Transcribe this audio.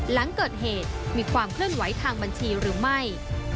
หลังเกิดเหตุมีความเคลื่อนไหวทางบัญชีหรือไม่